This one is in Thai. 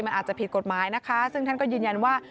มันอาจจะผิดกฎหมายนะคะซึ่งท่านก็ยืนยันว่า